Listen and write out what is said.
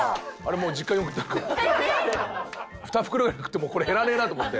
２袋ぐらい食ってもこれ減らねえなと思って。